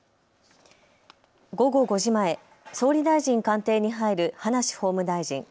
午後５時前、総理大臣官邸に入る葉梨法務大臣。